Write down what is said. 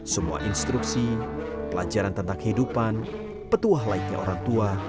semua instruksi pelajaran tentang kehidupan petuah lainnya orang tua